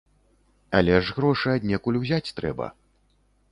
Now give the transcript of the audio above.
Але ж грошы аднекуль узяць трэба.